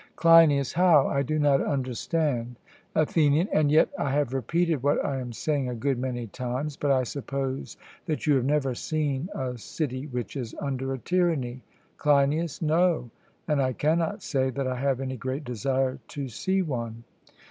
CLEINIAS: How? I do not understand. ATHENIAN: And yet I have repeated what I am saying a good many times; but I suppose that you have never seen a city which is under a tyranny? CLEINIAS: No, and I cannot say that I have any great desire to see one.